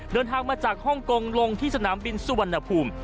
เดินทางมาจากฮ่องกงลงที่สนามบินสุวรรณภูมิ